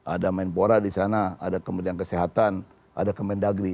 ada menpora di sana ada kementerian kesehatan ada kemendagri